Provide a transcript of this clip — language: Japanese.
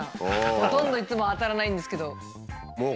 ほとんどいつも当たらないんですけど。